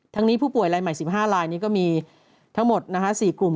นี้ผู้ป่วยรายใหม่๑๕ลายนี้ก็มีทั้งหมด๔กลุ่ม